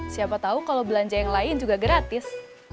siapa tahu kalau belanja yang lain juga gratis